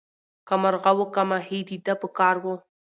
که مرغه وو که ماهی د ده په کار وو